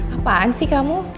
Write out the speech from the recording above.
apaan sih kamu